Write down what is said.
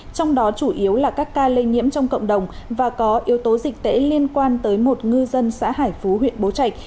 trong đó chủ yếu là các ca lây nhiễm trong cộng đồng và có yếu tố dịch tễ liên quan tới một ngư dân xã hải phú huyện bố trạch